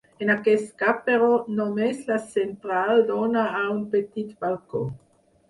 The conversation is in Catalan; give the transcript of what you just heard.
En aquest cas, però, només la central dóna a un petit balcó.